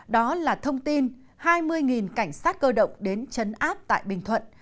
đó là thông tin hai mươi cảnh sát cơ động đến chấn áp tại bình thuận